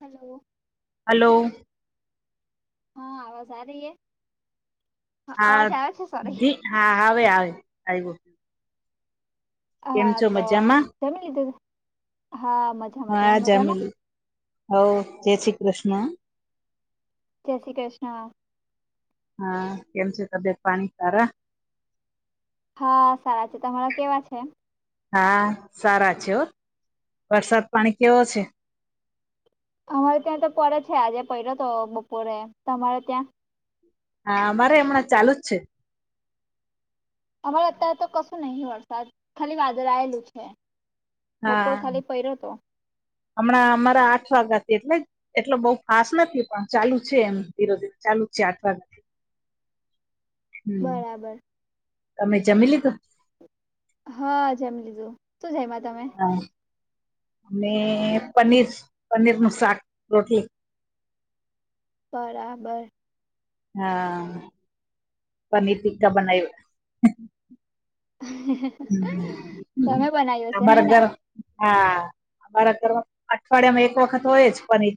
Hello hello હા આવાજ આ રહી હૅ? સોરી હા-હા આવે આવે આવ્યું કેમ હા છો તો મજામાં જમી લીધું હા મજા હા જમીલીું હો જે શ્રી કૃષ્ણ જય શ્રી કૃષ્ણ. હા કેમ છે, તબ્યાત પાણી સારા? હા સારા છે, તમારા કેવા છે? હા સારા છે, વરસાદ પાણી કેવો છે? અમારે ત્યાં તો પડે છે, આજે પડ્યો તો બપોરે તમારે ત્યાં? હા અમારે હમણાં ચાલુ જ છે. અમારે અત્યારે તો કશું નહિ વરસાદ ખાલી વાદળેલું છે. બપોર હા ખાલી પડ્યો તો હમણાં અમારા આઠ વાગ્યાથી એટલે જ એટલે બઉુ ફાસ્ટ નથી પણ ચાલુ છે, એમ ધીરો ધીરે ચાલુ છે, આઠ વાગ્યાથી. હમ બરાબર તમે જમીલીધુ? હા જમી લીધું શું જયમાં તમે? અને પનીર-પનીર નું શાક રોટલી. બરાબર હા પનીર ટીકા બનાવ્યું. તમે બનાવ્યોશે હે અમારા ને ઘર હા અમારા ઘર અઠવાડિયા માં એક વખત હોય જ પનીર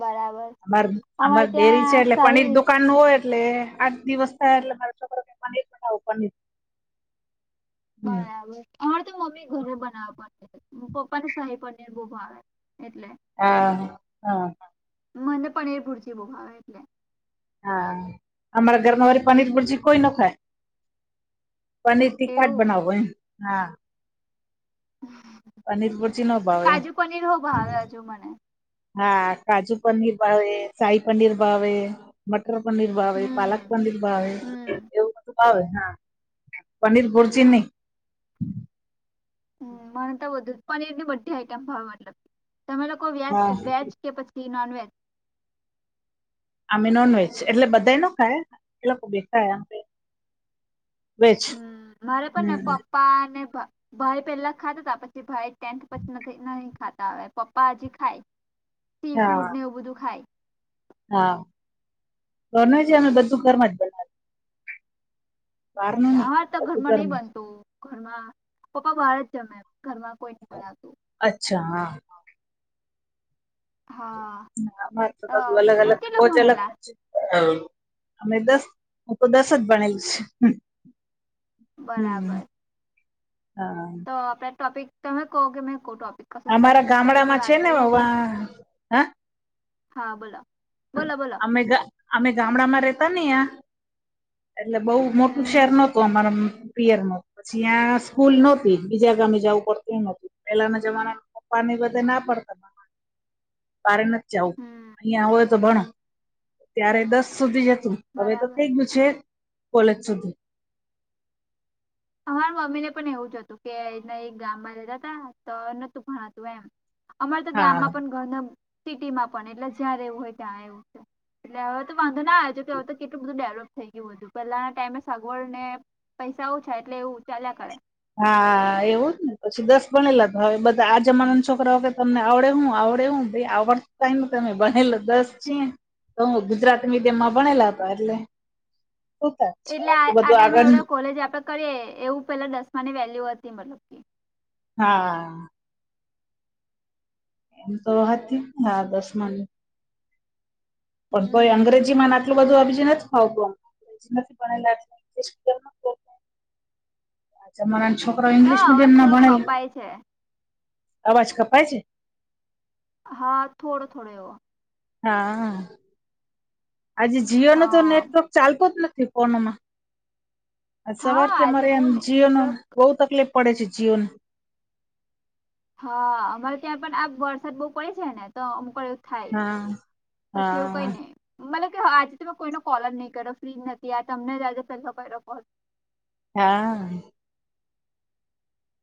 બરાબર અમાર અમારે અમાર ડેરી છે, ત્યાં એટલે પનીર શાહી દુકાન હોય એટલે આઠ દિવસ થાય એટલે મારો છોકરો હમ બરાબર હમારે તો મમ્મી ઘરે બનાવ પડે પપ્પા ને શાહી પનીર બહુ ભાવે એટલે. હા-હા મને પનીર ભુરજી બો ભવે એટલે. હા અમારા ઘરમાં વારી પનીર ભુરજી કોઈ ન ખાય. પનીરથી કાટ એવું બનાવવો હા પનીર ભુરજી નો ભાવે એમ કાજુ પનીર હો ભાવે હજુ મને હા કાજુ પનીર ભવે સાહી પનીર ભાવે મટર પનીર, ભાવાવે પાલક, હમ પનીર ભાવ હમ એવું હવે હા પનીર ભુરજીિની હ મને તો બધુ પનીર ની બધી આઈટમ ભાવ મતલબ તમે લોકો હા વેજ-વેજ કે પછી નોનવેજ આમે નોન વજ એટલે બધા ન ખાય એ લોકો બેખાય. હમ મારે પણ ને હમ પપ્પા અને ભાઈ પેલા ખાતા હતા પછી ભાઈ ટેન્ટ પછી નહી ખાતા હ પપ્પા હજી ખાય. સી હા ફૂડ ને એવું બધું ખાય હા બનો છે, અમે બધું ઘરમ જ બ નું અચ્છા નહી અરે તો બધું ઘરમાં નઈ જ. બનતું ઘરમાં પપ્પા બહાર જ જમે ઘરમાં કોઈ [inaudible] અચ્છા હા હા હા અમારે તો બધું અલગ તમે અલગ કેટલું રોજ અલગ ભણેલા અલગ છે. અમે દસ હું તો દસ જ ભણેલું છ બરાબર હમ હા આપણા ટોપિક તમે કહો કે મેં કોહ ટોપિક કસ અમારા સ્પેસિફિક ટોપિક ગામડામાં છે વાટતા ને હજે વા હા હા બોલો બોલો બોલો અમે અમે ગામડામાં રેતા નને આ એટલે બઉ મોટું હમ શહેર ન અમારા પીયરનો પછી યાં સ્કૂલ નહોતી બીજા ગામે જવું પડતું એ નું પેલાના જમાના હમ [unintelligible] ત્યારે દસ સુધી જ હતું હવે તો બરાબર થઈ ગયું છે કોલેજ સુધી અમારા મમ્મી ને પણ એવું જ હતું કેના ગામમાં રહેતાતા તો નતું ભણાતું એમ અમારે તો હા ગામમાં પણ ઘરને સિટીમાં પણ એટલે જ્યાં રહેવું હોય ત્યાં એવું છે. એટલે હવે તો વાંધો ના આવે કેમકે હવે તો કેટલું બધું ડેવલપ થઈ ગયું હતું પહેલાના ટાઈમે સગવડ ને પૈસા ઓછા એટલે એવું ચાલ્યા કરે હા એવું જ ને પછી દસ ગણેલા તો હવે બધા આ જમાના છોકરાઓ કે તમને આવડે હું આવડે હું [unintelligible] તો હું ગુજરાતી મીડિયમ માં ભણેલા હતા એટલે સુતા જ છે એટલે આ એટલું આ બધું ટાઈમે આગળ એ કોલેજ આપડે કરીએ એવું પેલા દસમાની વેલ્યુ હતી મતલબ કે હા [unintelligible] પણ કોઈ હમ અંગ્રેજી માં ન આટલું [unintelligible] [inaudible] આ જમાના માં છોકરા ઈંગ્લિશ તારો અવાજ મીડિયમ માં થોડો કપાય છે ભણેલા અવાજ કપાય છે. હા થોડો થોડો એવો હા આજે જીઓ ન તો હા નેટવર્ક ચાલતો જ નથી ફોનમાં હા સવારથી આજે અમારે બહુ એમ જીઓ ન નેટવર્ક બહુ તકલીફ પડે છે જીઓને હા અમારે ત્યાં પણ આ વરસાદ બહુ પડે છે ને તો અમુક થાય હા પછી એવું કઈ હા ને મને તો આજે તો હું ફ્રી જ નહોતી આજે કોઈને કોલ જ નહતો કર્યો તમને પહેલો કર્યો કોલ હા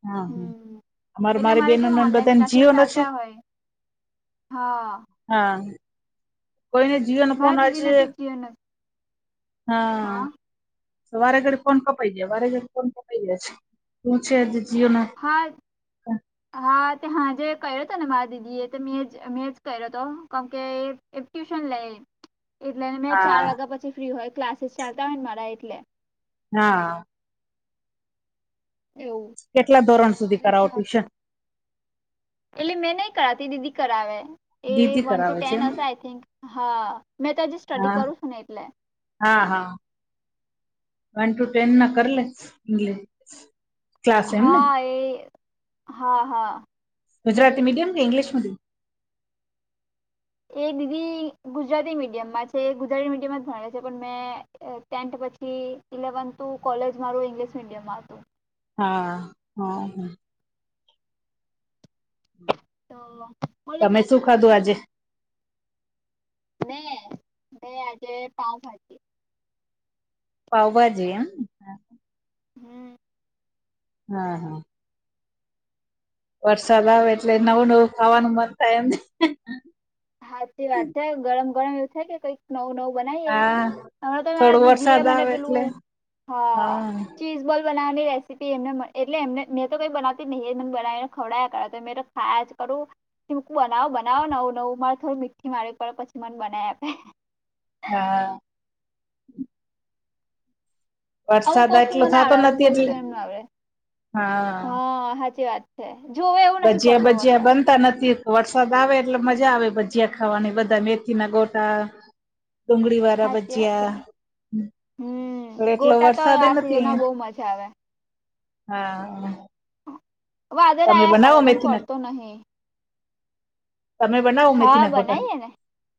હા હમ અમારે એટલે મારી મારે બેનો કેવું ઓનલાઈન બધાને ક્લાસીસ જીઓનો છે ચાલતા હોય હા હા કોઈને જીઓ નો ફોન મારા આવે છે. દીદીને બી જીઓનો હા તો વારે ઘડીએ ફોન કપાઈ જાય વારે ઘડીએ ફોન કપાઈ જાય શું છે આજે જીઓ ને હા હા તે હાંજે કર્યો હતો ને મારા દીદી એ મેં મેં જ કર્યો હતો કેમકે એ ટ્યુશન લે એટલે મેં ચાર હા વાગ્યા પછી ફ્રી હોય ક્લાસીસ ચાલતા હોય ને મારા એટલે હા એવું કેટલા ધોરણ સુધી એટલે કરાવો સ- ટ્યુશન એટલે મેં નહી કરાવતી દીદી કરાવે એ દીદી વન ટુ કરાવે છે ટેન એમ હશે આય થિંક હા મેં તો હજી સ્ટડી હા કરું છું ને એટલે હા હા વન ટુ ટેન ના કર લે ઇંગ્લિશ ક્લાસ એમ ને હા એ હા હા ગુજરાતી મીડિયમ કે ઇંગ્લિશ મિડિયમ. એ દીદી ગુજરાતી મીડિયમમાં છે ગુજરાતી મીડિયમમાં ભણે છે પણ મેં. ટેન્થ પછી ઇલેવેન્થ કોલેજ મારું ઇંગ્લિશ મીડિયમમાં હતું. હા હ હ. તો બોલો તમે તારી શું ખાધું આજે. મેં મેં આજે પાઉ ભાજી પાઉં ભાજી એમ હમ. હા હા. વરસાદ આવે એટલે નવું નવું ખાવાનું મન થાય એમ. હા તે વાત થાય ગરમ ગરમ એવું થાય કે કંઈક. નવ નવ બનાવીએ હા હમણા તો થોડો મારા દીદી એ વરસાદ મને આવે એટલે પેલું હા. ચીઝ બોલ બનાવવાની રેસીપ એમને મળ એટલે એમનેં તો કંઈ બનાવતી જ નહીં એને બનાવીને ખવડાવયા કરા તો મેં તો. હાજ કરુંીમકું બનાવો બનાવો નવું નવું. મારે થોડું મીઠી મારવી પડે પછી મને બનાવી આપે. હા. અમુક વરસાદ વસ્તુ એટલો મને થતો આવડે અમુક નથી એટલે વસ્તુ એમને આવડે હા. હા સાચી વાત છે જોવે. એવું નહીં ભજયા પડતો ભજયા વરસાદ બનતા નથી. વરસાદ આવે એટલે મજા આવે ભજીયા ખાવાની બધા મેથી ના ગોટા. ડુંગળી વાળા સાચી વાત છે ભજ્યા. પણ હમ એલો ગોટા તો વરસાદ આ નથી સિઝનમાં બહુ અહિયાયા. મજા આવે હા. વાદર તમે આ કર બનાવો પણ મેથી ના પડતો નહી. તમે [unintelligible] હા ગોટા બનાઈએ ને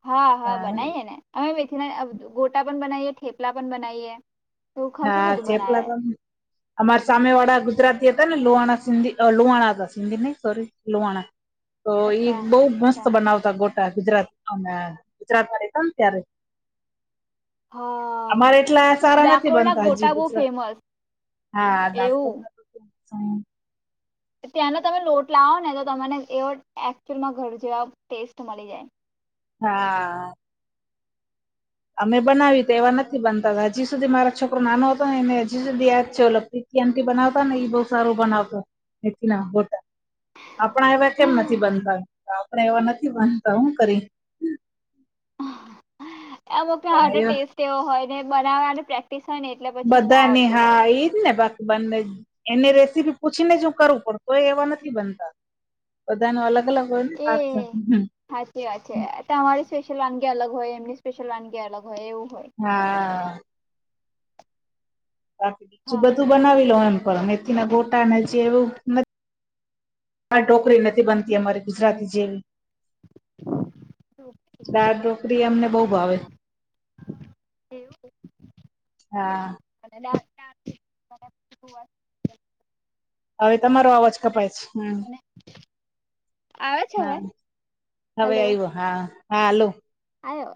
હા હા બનાઈએ ને. અમે મેથીના ગોટા પણ બનાવીએ ઠેપલા પણ બનાવીએ તો ખશું હા બધું ચેપલા બનાવે. તો અમારા સામે વાળા ગુજરાતી હતા ને લુહણા સિંધી લુહણા હતા સિંધી નહી સોરી લુહણા. તો ઈ અચ્છા બહ મસ્ત અચ્છા બનાવતા ગોટા ગુજરાત અને ગુજરાતમાંતા ને ત્યારે. હા અમારે એટલા સારા નથી. ડાકોરના બનતાજી ગોટા બહુ ફેમસ હા ડ એવું [unintelligible] ત્યાંનો તમે લોટ લાવો ને તો તમને એવો એકચઅલમાં ઘર જેવા ટેસ્ટ મળી જાય. હા. અમે બનાવી ત એવા નથી બનતા હજી સુધી મારા છોકરો નાનો હતો નેને હજી સુધી યાદ છે ઓ લગતી. થી બનાવતા ને એ બહ સારું બનાવતાથી ના ગો ટા. આપણા એવા કેમ નથી બનતા આપણા એવા નથી બનતા હું કરી? અમુક પણ આો એ ટેસ્ટ એવો હોય ને બનાવવાનું પ્રેક્ટિસ હોય ને એટલે પછી એમને આવડતું હોય. એજને [unintelligible] બંને એને રેસીપી પૂછીને જ હું કરું પડ તો એ એવા નથી બનતા. બધા ન અલગ અલગ હોય પા. સાાચી વાત છે તમારી સ્પેશિયલ વાનગી અલગ હોય એમની સ્પેશિયલ વાનગી અલગ હોય એવું હોય. હા. બાકી બીજું હા બધું બનાવી લો એમ. પણ અમેથીને ગોટા ન જે એવું આ ોકરી નથી બનતી અમારી. ગુજરાતી જેવી. મીઠું દાળ ઢોકરી અમને બહ ભાવે. એવું. હા. અને [unintelligible] હવે તમારો અવાજ કપાય છે હમ. આવે છે હવે હા હવે આયવો. હા હાલો. આ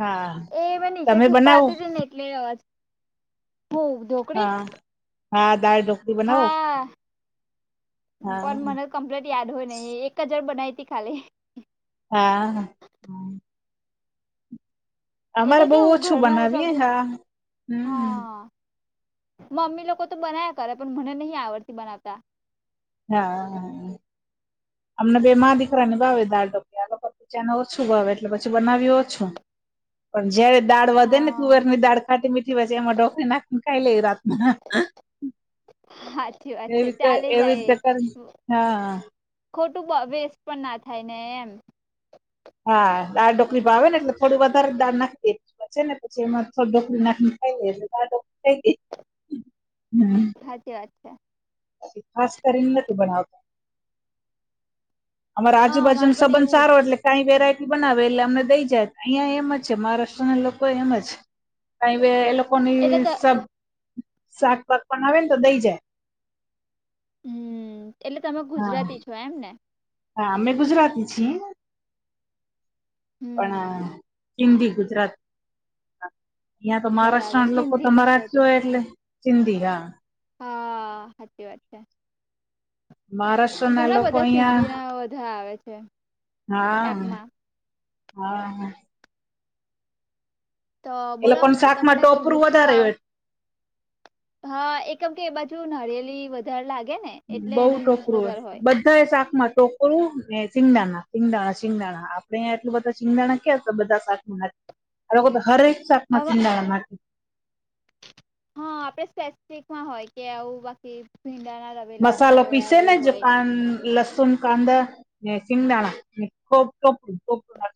હા એ મેં તમે નીચેથી ઉપર બનાવો આવતી તી ને એટલે એ અવાજ [unintelligible] હા, હા દાળ ઢોકળી બનાવો. હા હા પણ મને કમ્પ્લીટ યાદ હોય નહી એક હજાર બનાતી ખાલી. હા અમારે એટલે બહુ કેવું ઓછું ઘરમાં બનાવીએ સૌથી હા હમ હા. મમ્મી લોકો તો બના્યા કરે પણ મને નહી આવડતી બનાવતા. હા અમને બે માં દીકરા ની ભાવે દાળ ઢોકળ પપીચાને ઓછું ભાવે એટલે પછી બનાવ્યું ઓછું. પણ જયારે દાળ વધે ને હા તુવેર ની દાળ ખાટી મીઠી વજે એમાં ઢોકરી નાખીને ખાઈ લે રાતના. સાચી વાત છે એવીતે ચાલે એવી રીતે કર. હહ ખોટુ બ વેસ્ટ પણ ના થાય ને એમ. હા દાળ ઢોકળી ભાવે ને ટેલે થોડી વધારે દાળ નાખી દે. છે. ને પછી એમાં થોડી ઢોકળી નાખી ને ખાઈ લે એટલે દાલ ડોકળી થઈ ગઈ. હ થાચી વાત છે. ખાસ કરીને નથી બનાવતા. અમારે હા આજુબાજુનો અમારે પણ સંબંધ એવું સારો એટલે કઈ વેરાયટી બનાવે એટલે અમને દઈ જાય અહિયાં એમ જ છે. મહારાષ્ટ્રના લોકો એમ જ કઈ એ લોકો ની જ એટલે સબ શાક બાંક બનાવે તો દઈ જાય. હમ્મ, એટલે તમે હા ગુજરાતી છો એમ ને. હા અમે ગુજરાતી છીએ, હમ પણ સિંધી ગુજરાતી અહીયાં તો મહારાષ્ટ્ર બરાબર ના લોકો તો સિંધી મરાઠી ગુજરાતી જ હોય એટલે ચિંધી હા.. હહહ, હાચી વાત છે. મહારાષ્ટ્ર ના ઘણા લોકો બધા સિંધી અહિયાં ના બધા આવે છે હા એપમાં હા હા તો એ બોલો લોકોને શાકમાં તમને કે ટોપરું વૃક્ષો વધારે વાવ હોય હા એકમ કે એ બાજુ નારિયેલી વધારે લાગે ને. એટલે બહુ એનો યુઝ ટોપરું હોય. વધારે બધુ બધા શાકમાં ટોકરું ને સિંગદાના સિંગદાણા શિંગદાણા આપડેયા એટલું બધા સિંગદાણા કયા બધા શાક આ લોકો હરેરેક શાકમાં માં હવે સીંગદાણા નાખે. હા આપડે સ્પેસિફિકમાં હોય કે આવું બાકી સિંગદાડા રા મસાલો પીસે ને જો કાન લસુન કાંદા ને શિંગદાણા ને ખૂબ ટોપડું ટોપડું ના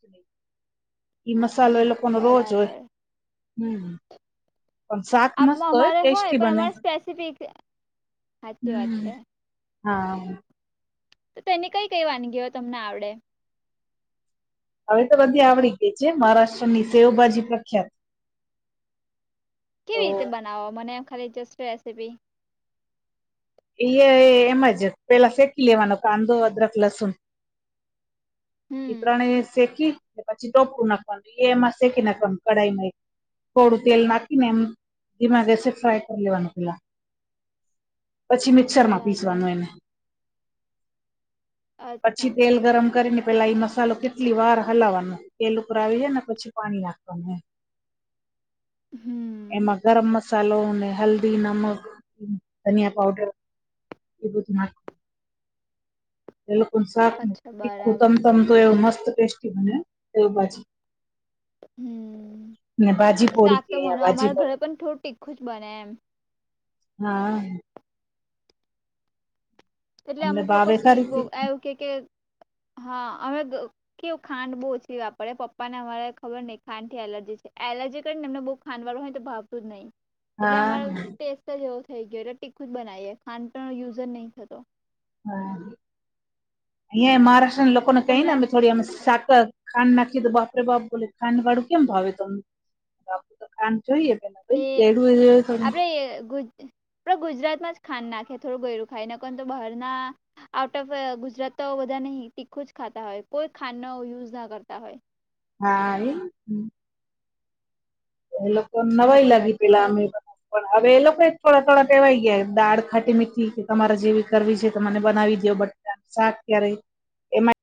ઈ મસાલો એ લોકોનો રોજ હોય. બરાબર હમ પણ શાક મસ્ત આપમાં હોય અમારે ટેસ્ટી પણ બને. અમારે સ્પેસિફિક સાચી વાત હમ્મ.. છે હા. તો તેની કઈ કઈ વાનગીઓ તમને આવડે? હવે તો બધી આવડી ગઈ છે. મહારાષ્ટ્ર ની શેવભાજી પ્રખ્યાત. કેવી તો રીતે બનાવો? મને ખાલી જસ્ટ રેસીપી ઈએ એ એમ જ પેલા શેકી લેવાનો કાંદો, અદરક, લસુન.. ઈ હમ ત્રણેય શેકી પછી ટોપળું નાખવાનું એ એમાં શેકી નાખવાનું કઢાઈમાં એક થોડું તેલ નાકીનેમ ઢીમા મા ગેસ ફ્રાય કરી લેવાનુ પેલા. પછી મિક્સરમાં બરાબર પીસવાનું એને. પછી અચ્છા તેલ ગરમ કરીને પેલા ઈ મસાલો કેટલી વાર હલાવાનો. તેલ ઉપર આવી જઈ ને પછી પાણી નાખવાનું એમ. હમ્મ. એમાં ગરમ મસાલો ને હલ્દી, નમક, ધનિયા... પાવડર એ બધુ નાખ એ લોકો શાક ન અચ્છા તીખું બરાબર તમતમ તો એવું મસ્ત ટેસ્ટી બને એવ બાજ હમ ને બાજી પોડી શાક કે તો અ મને બાજી અમારા પાઉ ઘરે પણ થો ટીખું જ બને એમ. હા એટલે અમને અમુક લોકો ભાવે સ્વીટ ખરી બો તીખું આવું કેય કે હા હવે કેવું ખાંડ બહુ ઓછી વાપળે પપ્પા ને અમારે ખબર નય ખાંડથી એલર્જી છે. એલર્જી કયની એમને બહ ખાંડવારુ હોય તો ભાવતુ જ નઈ. એટલે હા અમારો હા ટેસ્ટ જ એવો થઈ ગયો લે ટીખું જ બનાવીએ ખાંડ તો યુઝ જ નહી થતો. હા અયે મહારાષ્ટ્રના લોકોને કહીને તમને અ થોડી અ સાકર ખાંડ નાખી તો બાપરે બાપ બ! ખાંડ વાળું કેમ ભાવે તમને? તો ખાંડ જોઈએ પેલા ભાઈ રેડું થોડું. તે ગુજ આપ ગુજરાતમાં જ ખાડ નાખે થોડું ઘરું ખાઈ ને કો તો બહાર ના. આઉટ ઓફ ગુજરાત તો બધા ન તીખું જ ખાતા હોય કોઈ ખા ન યુઝ ના કરતા હોય. હા. એ લોકો નવાઈ સાચી લાગી વાત છે પેલા તો અમે પણ હવે એ લોકો એક થોડા થોડા કહેવાય ગયા દાળ ખાટી મીઠી કે તમારે જેવી કરવી છે મને બનાવી દો બટ શાક ક્યારે એમાં